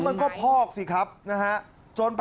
มันก็พอกสิครับนะฮะ